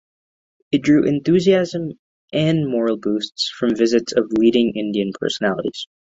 It drew enthusiasm and morale boosts from visits of leading Indian personalities.